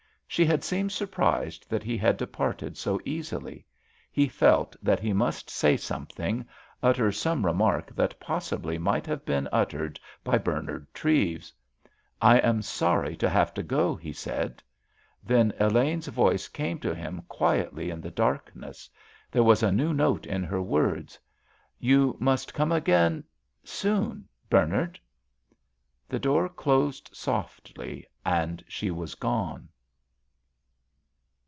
She had seemed surprised that he had departed so easily; he felt that he must say something, utter some remark that possibly might have been uttered by Bernard Treves. "I am sorry to have to go," he said. Then Elaine's voice came to him quietly in the darkness. There was a new note in her words. "You must come again—soon, Bernard." The door closed softly, and she was gone.